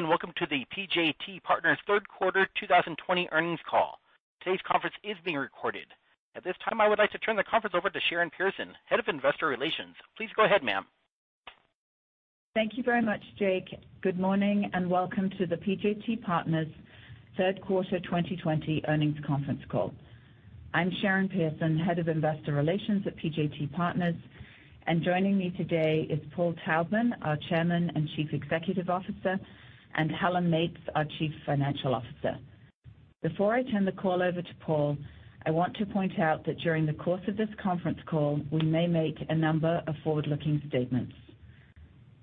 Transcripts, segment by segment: Good day and welcome to the PJT Partners' Third Quarter 2020 Earnings Call. Today's conference is being recorded. At this time, I would like to turn the conference over to Sharon Pearson, Head of Investor Relations. Please go ahead, ma'am. Thank you very much, Jake. Good morning and welcome to the PJT Partners' third quarter 2020 earnings conference call. I'm Sharon Pearson, Head of Investor Relations at PJT Partners, and joining me today is Paul Taubman, our Chairman and Chief Executive Officer, and Helen Meates, our Chief Financial Officer. Before I turn the call over to Paul, I want to point out that during the course of this conference call, we may make a number of forward-looking statements.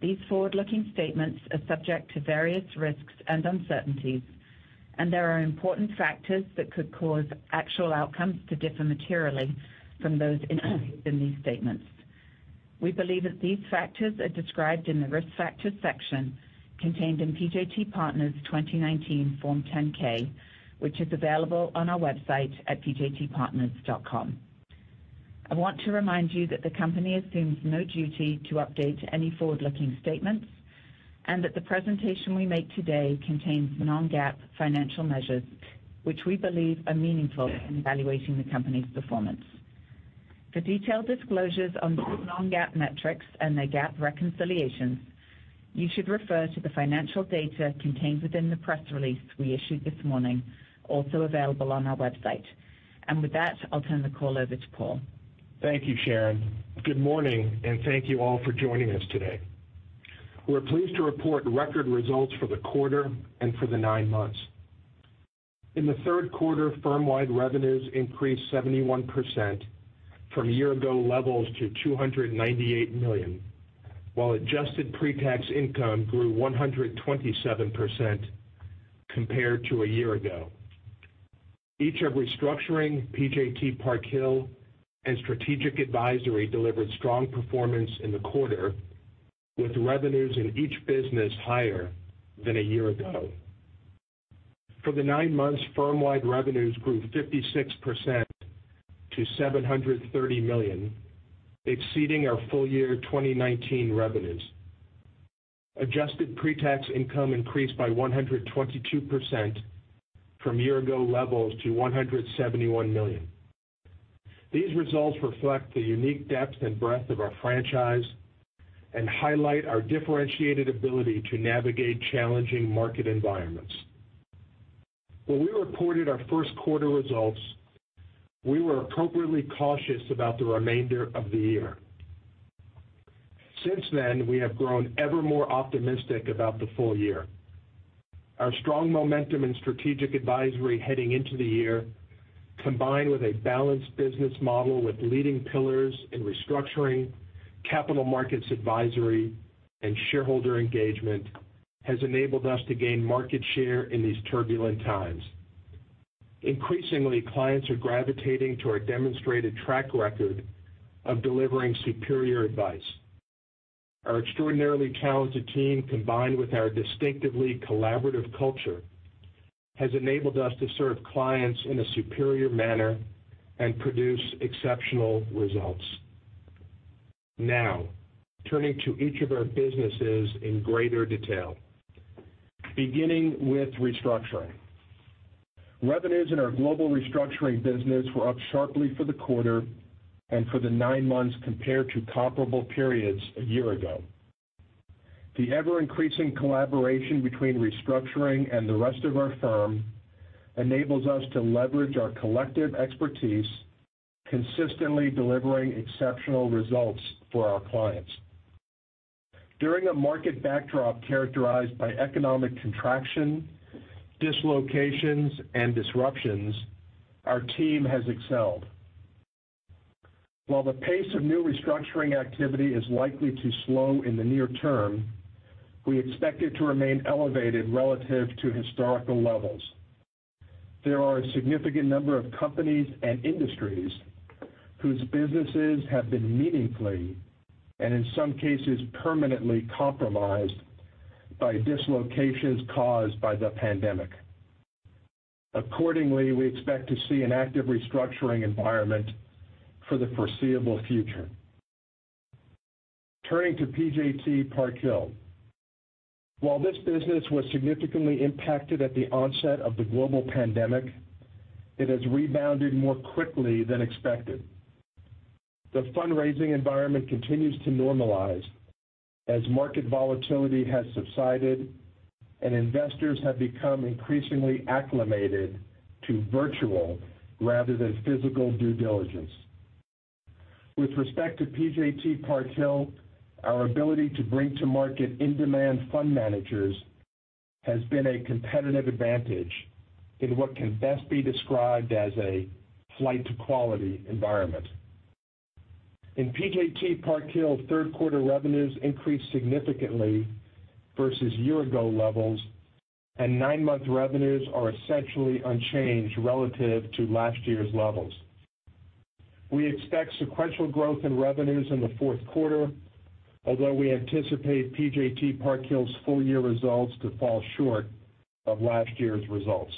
These forward-looking statements are subject to various risks and uncertainties, and there are important factors that could cause actual outcomes to differ materially from those in these statements. We believe that these factors are described in the risk factor section contained in PJT Partners' 2019 Form 10-K, which is available on our website at pjtpartners.com. I want to remind you that the company assumes no duty to update any forward-looking statements and that the presentation we make today contains non-GAAP financial measures, which we believe are meaningful in evaluating the company's performance. For detailed disclosures on non-GAAP metrics and their GAAP reconciliations, you should refer to the financial data contained within the press release we issued this morning, also available on our website, and with that, I'll turn the call over to Paul. Thank you, Sharon. Good morning and thank you all for joining us today. We're pleased to report record results for the quarter and for the nine months. In the third quarter, firm-wide revenues increased 71% from year-ago levels to $298 million, while adjusted pre-tax income grew 127% compared to a year-ago. Each of Restructuring, PJT Park Hill, and Strategic Advisory delivered strong performance in the quarter, with revenues in each business higher than a year-ago. For the nine months, firm-wide revenues grew 56% to $730 million, exceeding our full-year 2019 revenues. Adjusted pre-tax income increased by 122% from year-ago levels to $171 million. These results reflect the unique depth and breadth of our franchise and highlight our differentiated ability to navigate challenging market environments. When we reported our first quarter results, we were appropriately cautious about the remainder of the year. Since then, we have grown ever more optimistic about the full year. Our strong momentum in Strategic Advisory heading into the year, combined with a balanced business model with leading pillars in restructuring, capital markets advisory, and shareholder engagement, has enabled us to gain market share in these turbulent times. Increasingly, clients are gravitating to our demonstrated track record of delivering superior advice. Our extraordinarily talented team, combined with our distinctively collaborative culture, has enabled us to serve clients in a superior manner and produce exceptional results. Now, turning to each of our businesses in greater detail, beginning with restructuring. Revenues in our global restructuring business were up sharply for the quarter and for the nine months compared to comparable periods a year-ago. The ever-increasing collaboration between restructuring and the rest of our firm enables us to leverage our collective expertise, consistently delivering exceptional results for our clients. During a market backdrop characterized by economic contraction, dislocations, and disruptions, our team has excelled. While the pace of new restructuring activity is likely to slow in the near term, we expect it to remain elevated relative to historical levels. There are a significant number of companies and industries whose businesses have been meaningfully and, in some cases, permanently compromised by dislocations caused by the pandemic. Accordingly, we expect to see an active restructuring environment for the foreseeable future. Turning to PJT Park Hill, while this business was significantly impacted at the onset of the global pandemic, it has rebounded more quickly than expected. The fundraising environment continues to normalize as market volatility has subsided and investors have become increasingly acclimated to virtual rather than physical due diligence. With respect to PJT Park Hill, our ability to bring to market in-demand fund managers has been a competitive advantage in what can best be described as a flight-to-quality environment. In PJT Park Hill, third quarter revenues increased significantly versus year-ago levels, and nine-month revenues are essentially unchanged relative to last year's levels. We expect sequential growth in revenues in the fourth quarter, although we anticipate PJT Park Hill's full-year results to fall short of last year's results.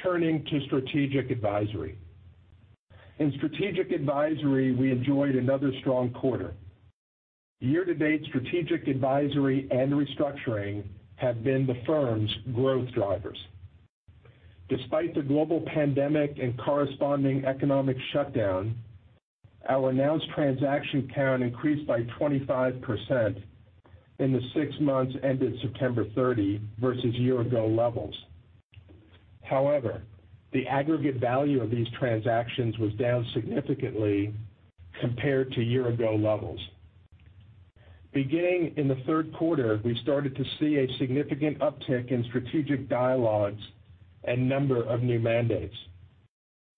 Turning to strategic advisory. In Strategic Advisory, we enjoyed another strong quarter. Year-to-date, strategic advisory and restructuring have been the firm's growth drivers. Despite the global pandemic and corresponding economic shutdown, our announced transaction count increased by 25% in the six months ended September 30 versus year-ago levels. However, the aggregate value of these transactions was down significantly compared to year-ago levels. Beginning in the third quarter, we started to see a significant uptick in strategic dialogues and number of new mandates.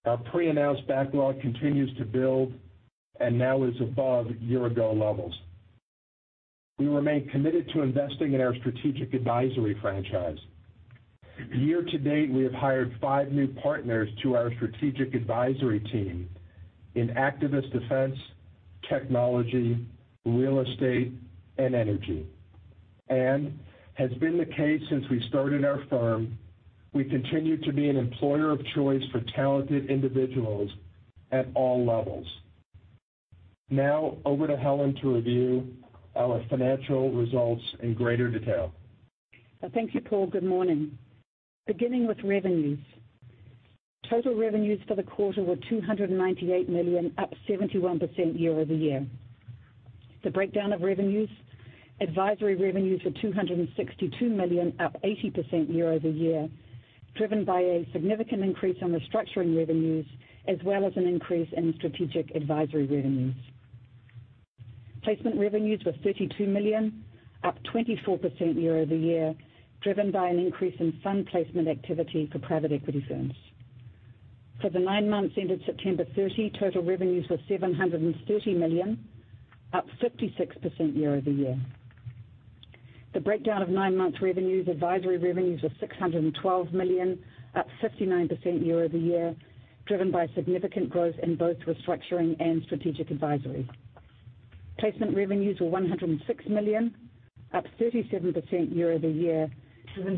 Our pre-announced backlog continues to build and now is above year-ago levels. We remain committed to investing in our Strategic Advisory franchise. Year-to-date, we have hired five new partners to our Strategic Advisory team in activist defense, technology, real estate, and energy. And, as has been the case since we started our firm, we continue to be an employer of choice for talented individuals at all levels. Now, over to Helen to review our financial results in greater detail. Thank you, Paul. Good morning. Beginning with revenues, total revenues for the quarter were $298 million, up 71% year-over-year. The breakdown of revenues: advisory revenues were $262 million, up 80% year-over-year, driven by a significant increase in restructuring revenues as well as an increase in strategic advisory revenues. Placement revenues were $32 million, up 24% year-over-year, driven by an increase in fund placement activity for private equity firms. For the nine months ended September 30, total revenues were $730 million, up 56% year-over-year. The breakdown of nine-month revenues: advisory revenues were $612 million, up 59% year-over-year, driven by significant growth in both Restructuring and Strategic Advisory. Placement revenues were $106 million, up 37% year-over-year, driven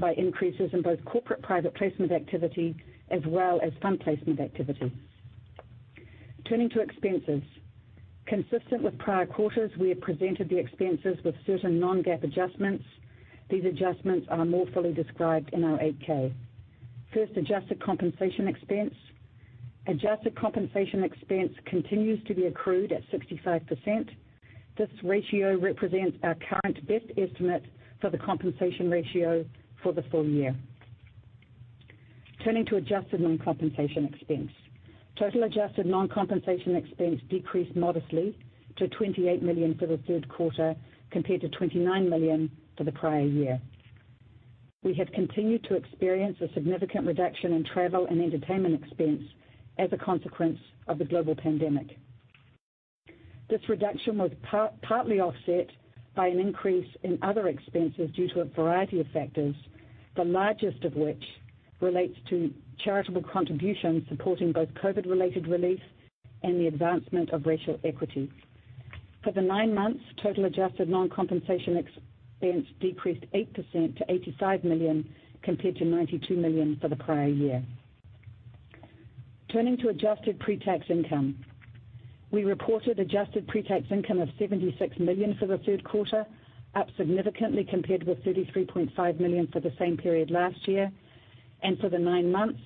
by increases in both corporate private placement activity as well as fund placement activity. Turning to expenses, consistent with prior quarters, we have presented the expenses with certain Non-GAAP adjustments. These adjustments are more fully described in our 8-K. First, adjusted compensation expense. Adjusted compensation expense continues to be accrued at 65%. This ratio represents our current best estimate for the compensation ratio for the full year. Turning to adjusted non-compensation expense, total adjusted non-compensation expense decreased modestly to $28 million for the third quarter compared to $29 million for the prior year. We have continued to experience a significant reduction in travel and entertainment expense as a consequence of the global pandemic. This reduction was partly offset by an increase in other expenses due to a variety of factors, the largest of which relates to charitable contributions supporting both COVID-related relief and the advancement of racial equity. For the nine months, total adjusted non-compensation expense decreased 8% to $85 million compared to $92 million for the prior year. Turning to adjusted pre-tax income, we reported adjusted pre-tax income of $76 million for the third quarter, up significantly compared with $33.5 million for the same period last year. For the nine months,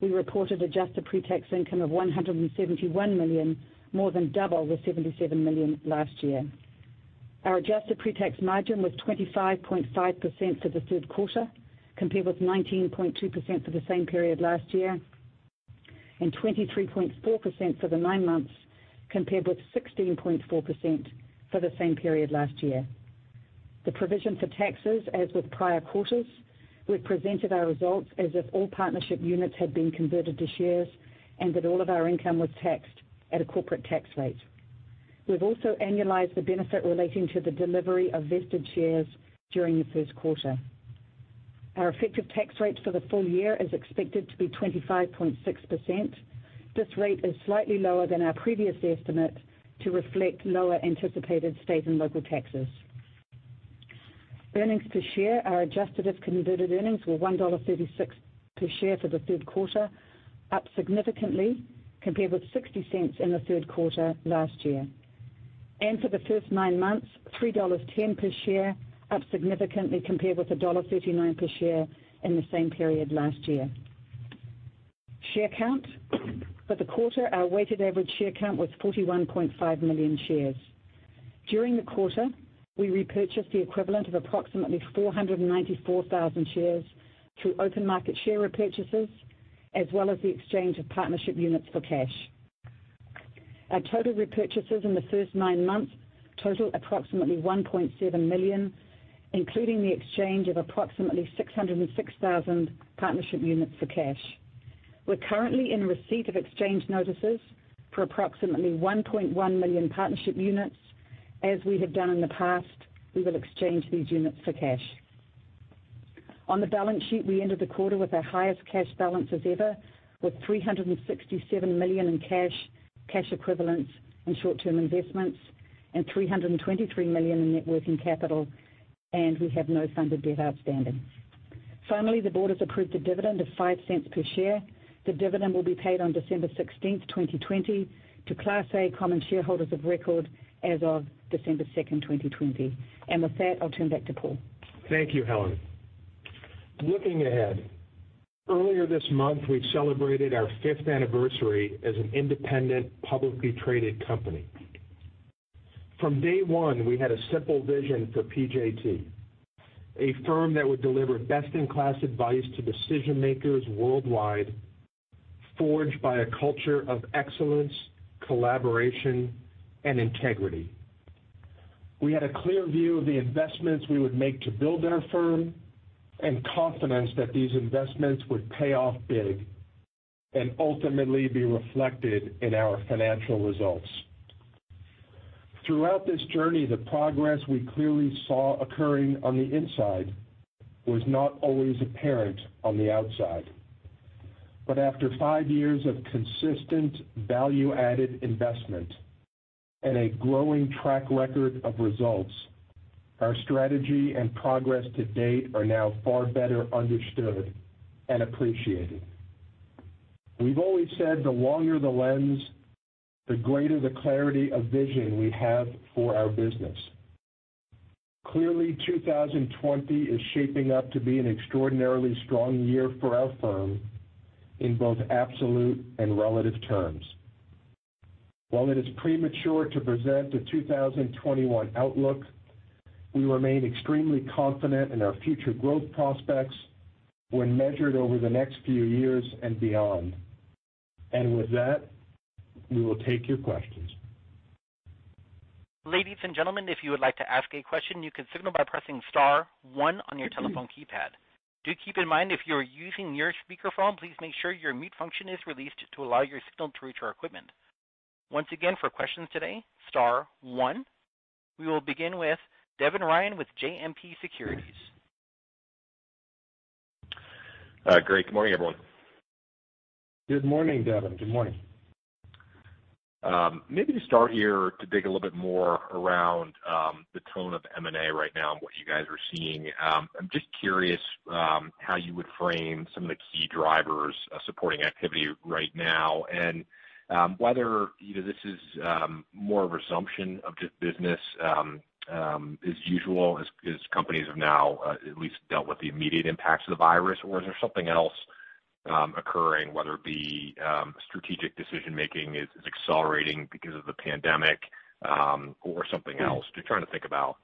we reported adjusted pre-tax income of $171 million, more than double the $77 million last year. Our adjusted pre-tax margin was 25.5% for the third quarter compared with 19.2% for the same period last year, and 23.4% for the nine months compared with 16.4% for the same period last year. The provision for taxes, as with prior quarters, we've presented our results as if all partnership units had been converted to shares and that all of our income was taxed at a corporate tax rate. We've also annualized the benefit relating to the delivery of vested shares during the first quarter. Our effective tax rate for the full year is expected to be 25.6%. This rate is slightly lower than our previous estimate to reflect lower anticipated state and local taxes. Earnings per share, our Adjusted If-Converted earnings were $1.36 per share for the third quarter, up significantly compared with $0.60 in the third quarter last year. And for the first nine months, $3.10 per share, up significantly compared with $1.39 per share in the same period last year. Share count for the quarter, our weighted average share count was 41.5 million shares. During the quarter, we repurchased the equivalent of approximately 494,000 shares through open market share repurchases as well as the exchange of partnership units for cash. Our total repurchases in the first nine months totaled approximately 1.7 million, including the exchange of approximately 606,000 partnership units for cash. We're currently in receipt of exchange notices for approximately 1.1 million partnership units. As we have done in the past, we will exchange these units for cash. On the balance sheet, we ended the quarter with our highest cash balances ever, with $367 million in cash, cash equivalents, and short-term investments, and $323 million in net working capital, and we have no funded debt outstanding. Finally, the Board has approved a dividend of $0.05 per share. The dividend will be paid on December 16, 2020, to Class A common shareholders of record as of December 2, 2020. And with that, I'll turn back to Paul. Thank you, Helen. Looking ahead, earlier this month, we celebrated our fifth anniversary as an independent publicly traded company. From day one, we had a simple vision for PJT: a firm that would deliver best-in-class advice to decision-makers worldwide, forged by a culture of excellence, collaboration, and integrity. We had a clear view of the investments we would make to build our firm and confidence that these investments would pay off big and ultimately be reflected in our financial results. Throughout this journey, the progress we clearly saw occurring on the inside was not always apparent on the outside. But after five years of consistent value-added investment and a growing track record of results, our strategy and progress to date are now far better understood and appreciated. We've always said, "The longer the lens, the greater the clarity of vision we have for our business." Clearly, 2020 is shaping up to be an extraordinarily strong year for our firm in both absolute and relative terms. While it is premature to present a 2021 outlook, we remain extremely confident in our future growth prospects when measured over the next few years and beyond. And with that, we will take your questions. Ladies and gentlemen, if you would like to ask a question, you can signal by pressing Star one on your telephone keypad. Do keep in mind, if you're using your speakerphone, please make sure your mute function is released to allow your signal to reach your equipment. Once again, for questions today, Star one. We will begin with Devin Ryan with JMP Securities. Great. Good morning, everyone. Good morning, Devin. Good morning. Maybe to start here, to dig a little bit more around the tone of M&A right now and what you guys are seeing, I'm just curious how you would frame some of the key drivers of supporting activity right now and whether this is more of a resumption of just business as usual, as companies have now at least dealt with the immediate impacts of the virus, or is there something else occurring, whether it be strategic decision-making is accelerating because of the pandemic or something else? Just trying to think about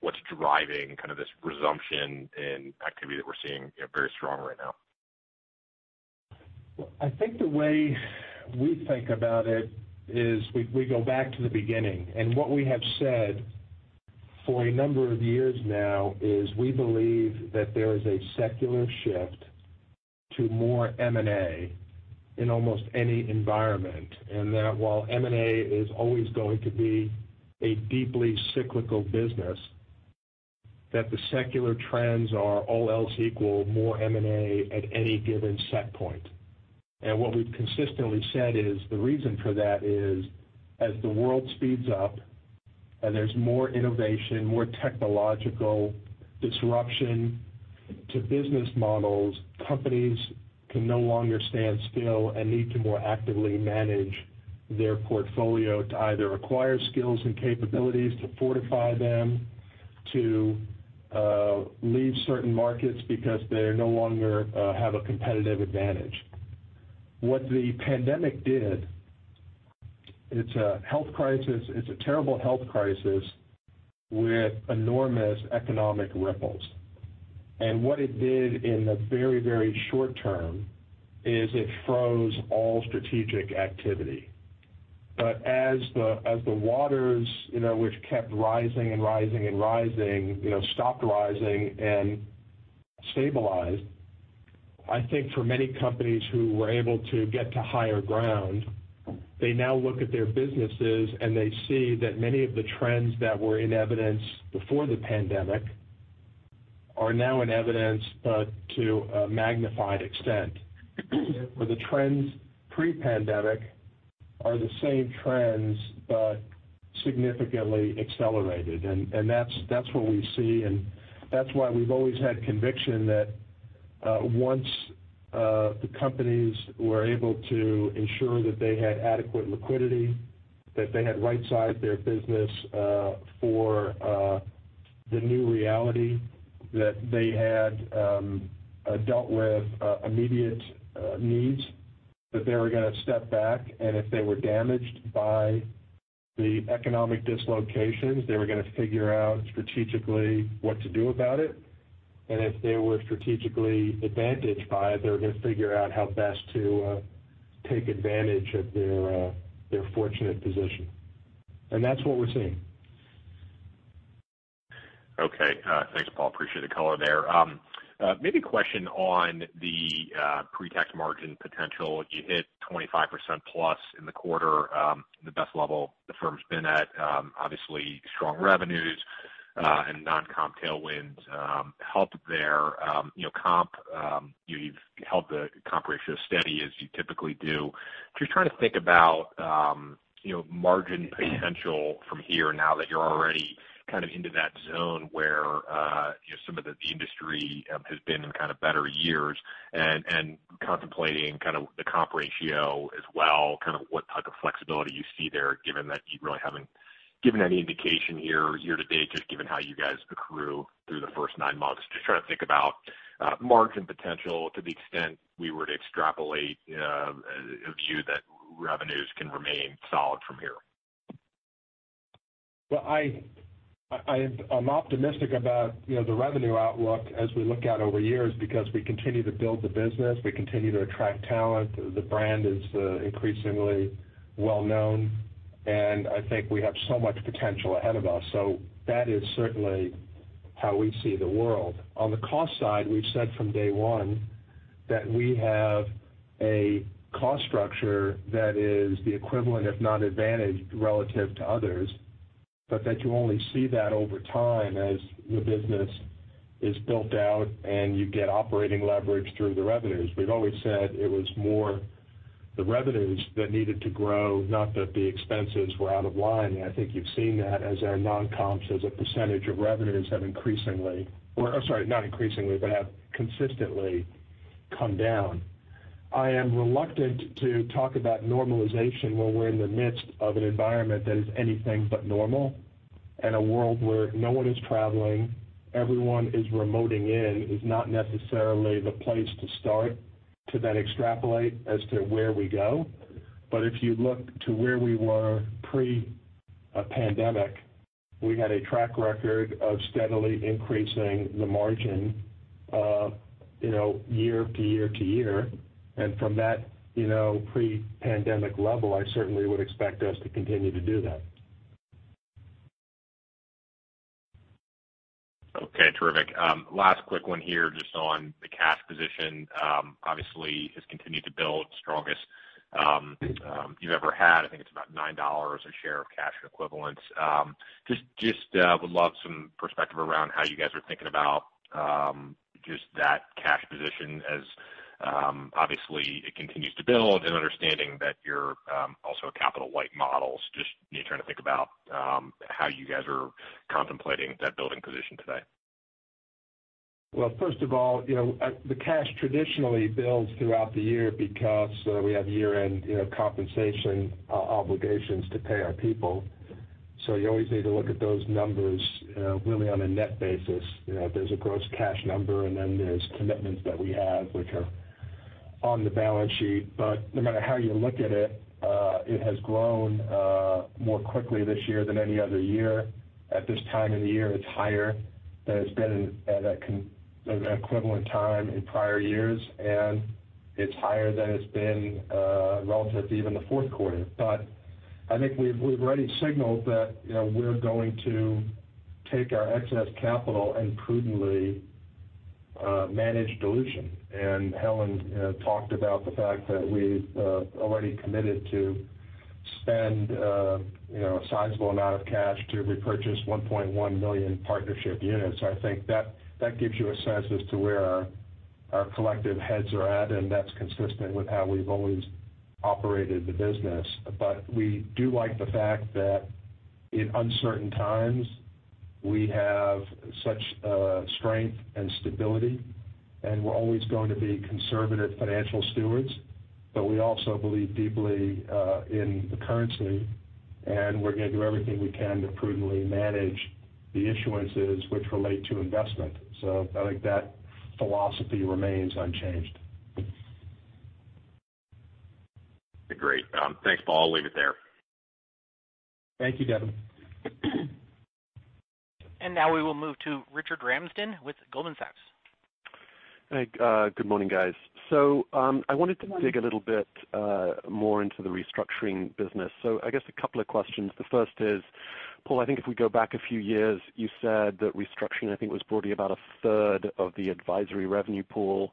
what's driving kind of this resumption in activity that we're seeing very strong right now. I think the way we think about it is we go back to the beginning, and what we have said for a number of years now is we believe that there is a secular shift to more M&A in almost any environment, and that while M&A is always going to be a deeply cyclical business, that the secular trends are all else equal, more M&A at any given set point, and what we've consistently said is the reason for that is, as the world speeds up and there's more innovation, more technological disruption to business models, companies can no longer stand still and need to more actively manage their portfolio to either acquire skills and capabilities, to fortify them, to leave certain markets because they no longer have a competitive advantage. What the pandemic did, it's a health crisis. It's a terrible health crisis with enormous economic ripples. What it did in the very, very short term is it froze all strategic activity. But as the waters, which kept rising and rising and rising, stopped rising and stabilized, I think for many companies who were able to get to higher ground, they now look at their businesses and they see that many of the trends that were in evidence before the pandemic are now in evidence to a magnified extent. The trends pre-pandemic are the same trends but significantly accelerated. And that's what we see. And that's why we've always had conviction that once the companies were able to ensure that they had adequate liquidity, that they had right-sized their business for the new reality that they had dealt with immediate needs, that they were going to step back. And if they were damaged by the economic dislocations, they were going to figure out strategically what to do about it. And if they were strategically advantaged by it, they were going to figure out how best to take advantage of their fortunate position. And that's what we're seeing. Okay. Thanks, Paul. Appreciate the color there. Maybe a question on the pre-tax margin potential. You hit 25% plus in the quarter, the best level the firm's been at. Obviously, strong revenues and non-comp tailwinds helped their comp. You've held the comp ratio steady as you typically do. Just trying to think about margin potential from here now that you're already kind of into that zone where some of the industry has been in kind of better years and contemplating kind of the comp ratio as well, kind of what type of flexibility you see there, given that you really haven't given any indication here year to date, just given how you guys accrue through the first nine months. Just trying to think about margin potential to the extent we were to extrapolate a view that revenues can remain solid from here. I'm optimistic about the revenue outlook as we look out over years because we continue to build the business. We continue to attract talent. The brand is increasingly well-known. I think we have so much potential ahead of us. That is certainly how we see the world. On the cost side, we've said from day one that we have a cost structure that is the equivalent, if not advantaged, relative to others, but that you only see that over time as the business is built out and you get operating leverage through the revenues. We've always said it was more the revenues that needed to grow, not that the expenses were out of line. I think you've seen that as our non-comps, as a percentage of revenues have increasingly, or sorry, not increasingly, but have consistently come down. I am reluctant to talk about normalization when we're in the midst of an environment that is anything but normal and a world where no one is traveling, everyone is remoting in, is not necessarily the place to start to then extrapolate as to where we go. But if you look to where we were pre-pandemic, we had a track record of steadily increasing the margin year to year to year. And from that pre-pandemic level, I certainly would expect us to continue to do that. Okay. Terrific. Last quick one here just on the cash position. Obviously, it's continued to build, strongest you've ever had. I think it's about $9 a share of cash equivalents. Just would love some perspective around how you guys are thinking about just that cash position as obviously it continues to build and understanding that you're also a capital-light model. Just trying to think about how you guys are contemplating that building position today. First of all, the cash traditionally builds throughout the year because we have year-end compensation obligations to pay our people. So you always need to look at those numbers really on a net basis. There's a gross cash number, and then there's commitments that we have which are on the balance sheet. But no matter how you look at it, it has grown more quickly this year than any other year. At this time of the year, it's higher than it's been at an equivalent time in prior years, and it's higher than it's been relative to even the fourth quarter. But I think we've already signaled that we're going to take our excess capital and prudently manage dilution. And Helen talked about the fact that we've already committed to spend a sizable amount of cash to repurchase 1.1 million partnership units. I think that gives you a sense as to where our collective heads are at, and that's consistent with how we've always operated the business. But we do like the fact that in uncertain times, we have such strength and stability, and we're always going to be conservative financial stewards. But we also believe deeply in the currency, and we're going to do everything we can to prudently manage the issuances which relate to investment. So I think that philosophy remains unchanged. Great. Thanks, Paul. I'll leave it there. Thank you, Devin. Now we will move to Richard Ramsden with Goldman Sachs. Hey. Good morning, guys. So I wanted to dig a little bit more into the restructuring business. So I guess a couple of questions. The first is, Paul, I think if we go back a few years, you said that restructuring, I think, was broadly about a third of the advisory revenue pool.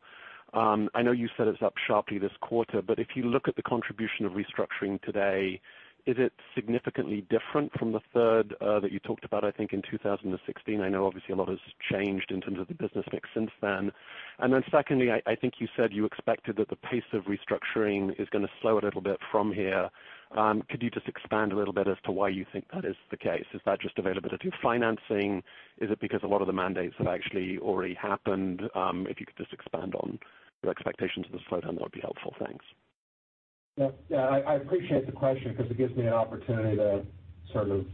I know you said it's up sharply this quarter, but if you look at the contribution of restructuring today, is it significantly different from the third that you talked about, I think, in 2016? I know, obviously, a lot has changed in terms of the business mix since then. And then secondly, I think you said you expected that the pace of restructuring is going to slow a little bit from here. Could you just expand a little bit as to why you think that is the case? Is that just availability of financing? Is it because a lot of the mandates have actually already happened? If you could just expand on your expectations of the slowdown, that would be helpful. Thanks. Yeah. Yeah. I appreciate the question because it gives me an opportunity to sort of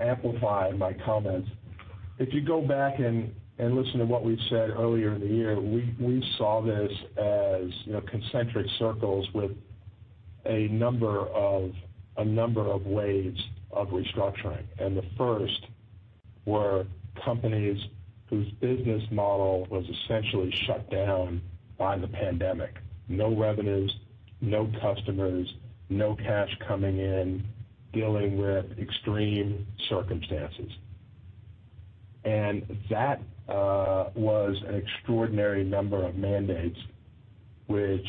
amplify my comments. If you go back and listen to what we've said earlier in the year, we saw this as concentric circles with a number of ways of restructuring. And the first were companies whose business model was essentially shut down by the pandemic. No revenues, no customers, no cash coming in, dealing with extreme circumstances. And that was an extraordinary number of mandates which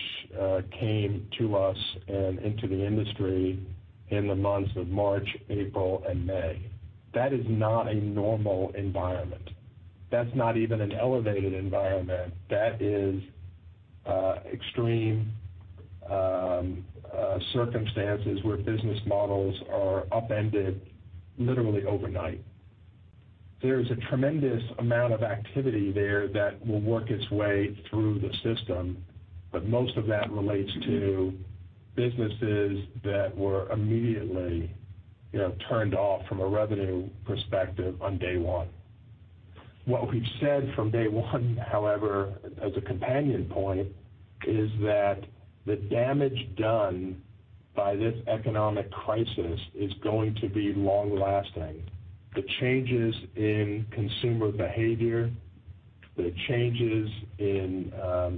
came to us and into the industry in the months of March, April, and May. That is not a normal environment. That's not even an elevated environment. That is extreme circumstances where business models are upended literally overnight. There is a tremendous amount of activity there that will work its way through the system, but most of that relates to businesses that were immediately turned off from a revenue perspective on day one. What we've said from day one, however, as a companion point, is that the damage done by this economic crisis is going to be long-lasting. The changes in consumer behavior, the changes in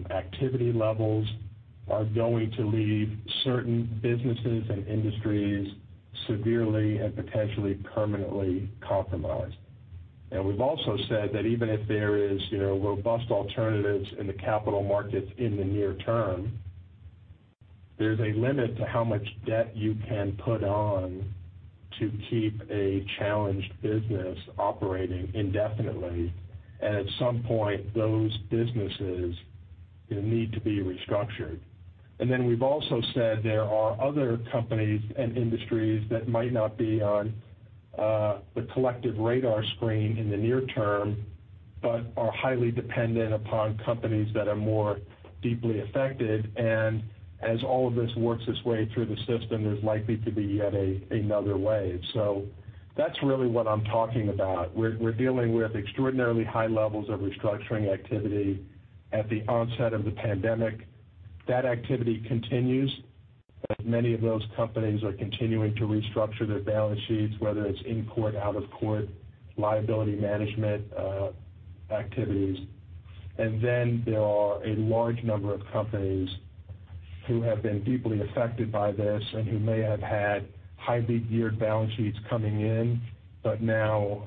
activity levels are going to leave certain businesses and industries severely and potentially permanently compromised, and we've also said that even if there are robust alternatives in the capital markets in the near term, there's a limit to how much debt you can put on to keep a challenged business operating indefinitely, and at some point, those businesses need to be restructured. And then we've also said there are other companies and industries that might not be on the collective radar screen in the near term but are highly dependent upon companies that are more deeply affected. And as all of this works its way through the system, there's likely to be yet another wave. So that's really what I'm talking about. We're dealing with extraordinarily high levels of restructuring activity at the onset of the pandemic. That activity continues as many of those companies are continuing to restructure their balance sheets, whether it's in court, out-of-court liability management activities. And then there are a large number of companies who have been deeply affected by this and who may have had highly geared balance sheets coming in but now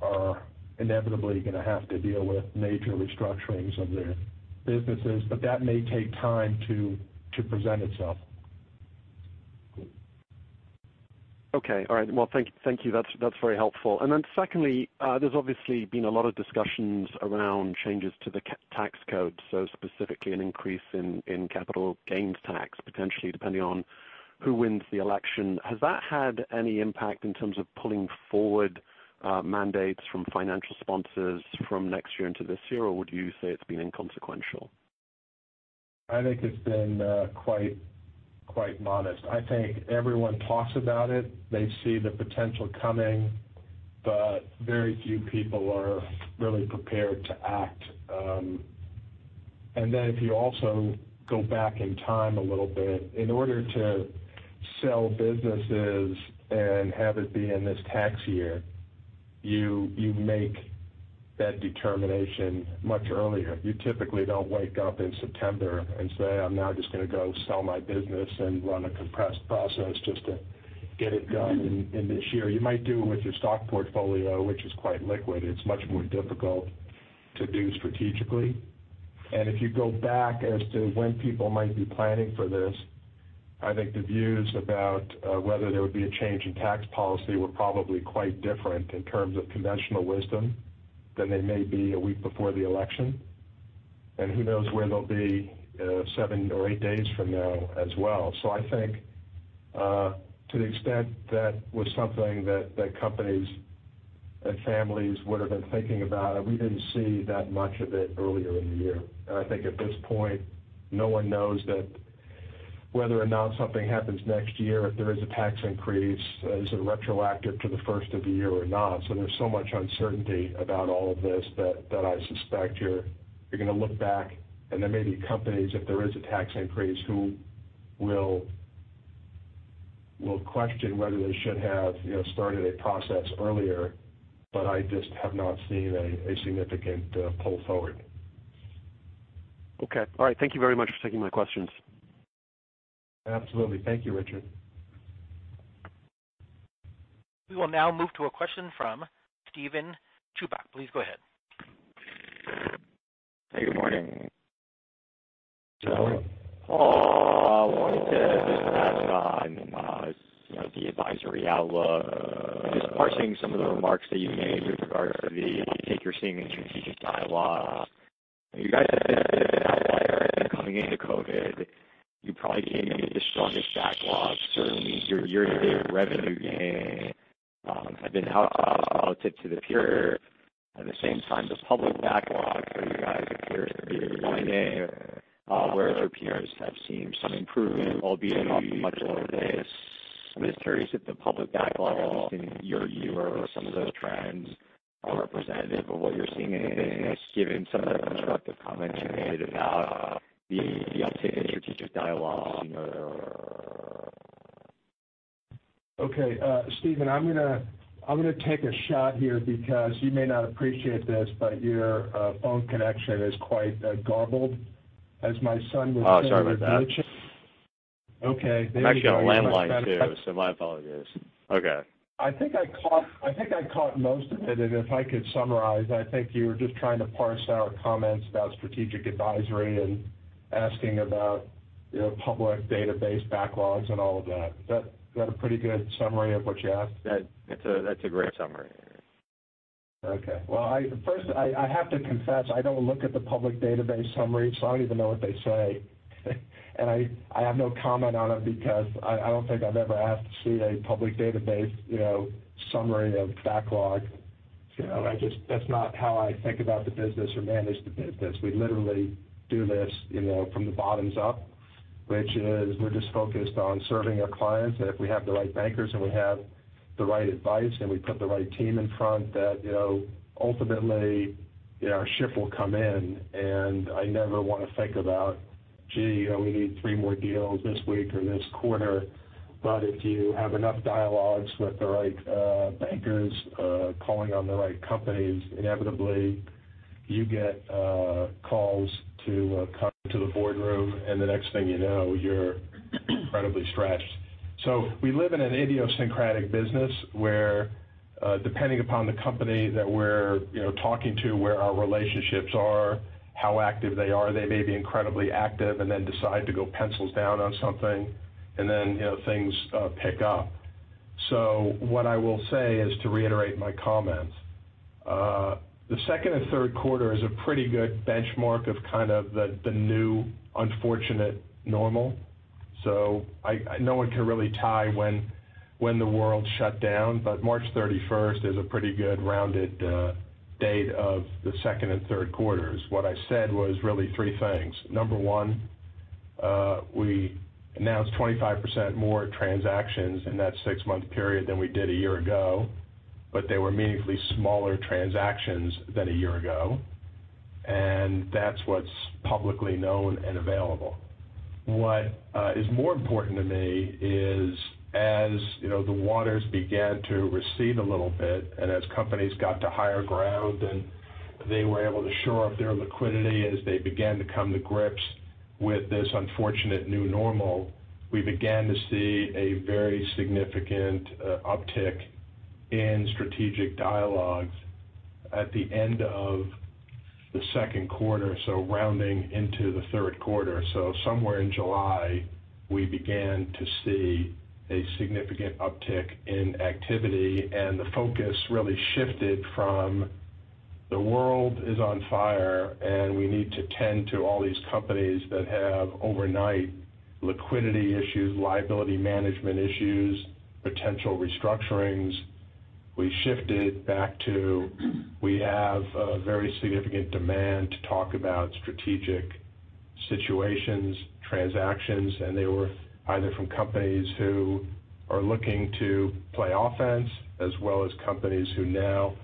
are inevitably going to have to deal with major restructurings of their businesses. But that may take time to present itself. Okay. All right. Well, thank you. That's very helpful. And then secondly, there's obviously been a lot of discussions around changes to the tax code, so specifically an increase in capital gains tax, potentially depending on who wins the election. Has that had any impact in terms of pulling forward mandates from financial sponsors from next year into this year, or would you say it's been inconsequential? I think it's been quite modest. I think everyone talks about it. They see the potential coming, but very few people are really prepared to act. And then if you also go back in time a little bit, in order to sell businesses and have it be in this tax year, you make that determination much earlier. You typically don't wake up in September and say, "I'm now just going to go sell my business and run a compressed process just to get it done in this year." You might do it with your stock portfolio, which is quite liquid. It's much more difficult to do strategically. And if you go back as to when people might be planning for this, I think the views about whether there would be a change in tax policy were probably quite different in terms of conventional wisdom than they may be a week before the election. And who knows where they'll be seven or eight days from now as well. So I think to the extent that was something that companies and families would have been thinking about, we didn't see that much of it earlier in the year. And I think at this point, no one knows whether or not something happens next year, if there is a tax increase, is it retroactive to the first of the year or not. So there's so much uncertainty about all of this that I suspect you're going to look back. And there may be companies, if there is a tax increase, who will question whether they should have started a process earlier, but I just have not seen a significant pull forward. Okay. All right. Thank you very much for taking my questions. Absolutely. Thank you, Richard. We will now move to a question from Steven Chubak. Please go ahead. Hey. Good morning. Good morning. I wanted to just touch on the advisory outlook, just parsing some of the remarks that you made with regards to the takeover theme in strategic advisory. You guys have been coming into COVID. You probably came into the strongest backlog. Certainly, your year-to-date revenue gain has been relative to the peer. At the same time, the public backlog for you guys appears to be declining, whereas your peers have seen some improvement, albeit much lower than this. I'm just curious if the public backlog in your view or some of those trends are representative of what you're seeing in this, given some of the constructive commentary about the uptake in strategic advisory. Okay. Steven, I'm going to take a shot here because you may not appreciate this, but your phone connection is quite garbled. As my son was saying. Oh, sorry about that. Okay. I actually have a landline too, so my apologies. Okay. I think I caught most of it. If I could summarize, I think you were just trying to parse our comments about strategic advisory and asking about public database backlogs and all of that. Is that a pretty good summary of what you asked? That's a great summary. Okay. Well, first, I have to confess, I don't look at the public database summaries, so I don't even know what they say. And I have no comment on it because I don't think I've ever asked to see a public database summary of backlog. That's not how I think about the business or manage the business. We literally do this from the bottoms up, which is we're just focused on serving our clients. And if we have the right bankers and we have the right advice and we put the right team in front, that ultimately our ship will come in. I never want to think about, "Gee, we need three more deals this week or this quarter." If you have enough dialogues with the right bankers calling on the right companies, inevitably, you get calls to come to the boardroom, and the next thing you know, you're incredibly stretched. We live in an idiosyncratic business where, depending upon the company that we're talking to, where our relationships are, how active they are, they may be incredibly active and then decide to go pencils down on something, and then things pick up. What I will say is to reiterate my comments. The second and third quarter is a pretty good benchmark of kind of the new unfortunate normal. No one can really tie when the world shut down, but March 31st is a pretty good rounded date of the second and third quarters. What I said was really three things. Number one, we announced 25% more transactions in that six-month period than we did a year-ago, but they were meaningfully smaller transactions than a year-ago. And that's what's publicly known and available. What is more important to me is as the waters began to recede a little bit and as companies got to higher ground and they were able to shore up their liquidity as they began to come to grips with this unfortunate new normal, we began to see a very significant uptick in strategic dialogues at the end of the second quarter, so rounding into the third quarter. So somewhere in July, we began to see a significant uptick in activity. And the focus really shifted from the world is on fire and we need to tend to all these companies that have overnight liquidity issues, liability management issues, potential restructurings. We shifted back to we have very significant demand to talk about strategic situations, transactions. And they were either from companies who are looking to play offense as well as companies who now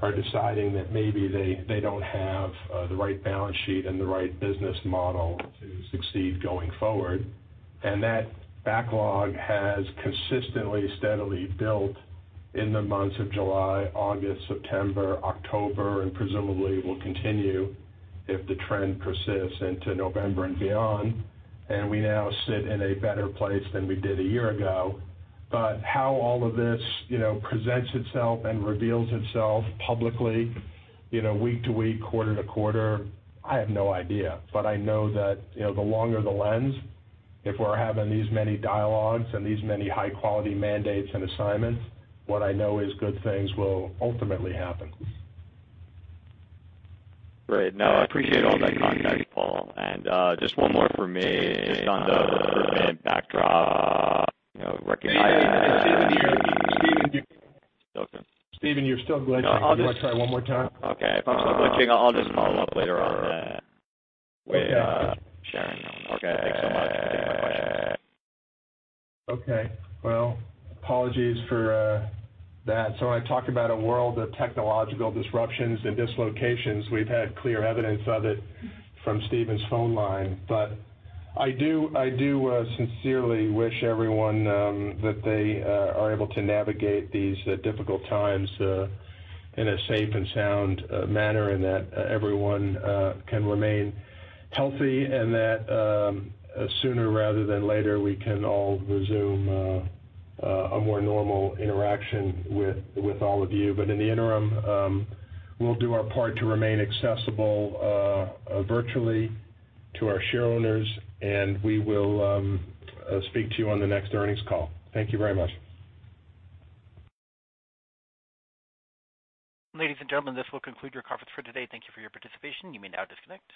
are deciding that maybe they don't have the right balance sheet and the right business model to succeed going forward. And that backlog has consistently, steadily built in the months of July, August, September, October, and presumably will continue if the trend persists into November and beyond. And we now sit in a better place than we did a year ago. But how all of this presents itself and reveals itself publicly week to week, quarter to quarter, I have no idea. But I know that the longer the lens, if we're having these many dialogues and these many high-quality mandates and assignments, what I know is good things will ultimately happen. Great. No, I appreciate all that context, Paul. And just one more for me on the backdrop. Steven, you're still glitching. Do you want to try one more time? Okay. If I'm still glitching, I'll just follow up later on. Wait. Sharon. Okay. Thanks so much. Thank you for my question. Okay. Apologies for that. When I talk about a world of technological disruptions and dislocations, we've had clear evidence of it from Steven's phone line. I do sincerely wish everyone that they are able to navigate these difficult times in a safe and sound manner and that everyone can remain healthy and that sooner rather than later we can all resume a more normal interaction with all of you. In the interim, we'll do our part to remain accessible virtually to our shareholders, and we will speak to you on the next earnings call. Thank you very much. Ladies and gentlemen, this will conclude your conference for today. Thank you for your participation. You may now disconnect.